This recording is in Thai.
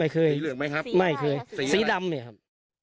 ไม่เคยสีเหลืองไหมครับไม่เคยสีอะไรสีซีดำไหมครับ